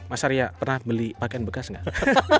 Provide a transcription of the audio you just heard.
mas arya pernah beli pakaian bekas nggak